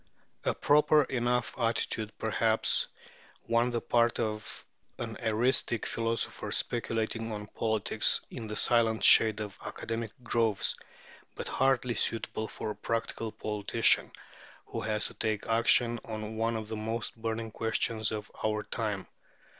A proper enough attitude, perhaps, on the part of an eristic philosopher speculating on politics in the silent shade of academic groves, but hardly suitable for a practical politician who has to take action on one of the most burning questions of our time.